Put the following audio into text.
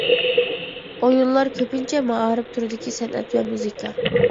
ئويۇنلار كۆپىنچە مائارىپ تۈرىدىكى، سەنئەت ۋە مۇزىكا.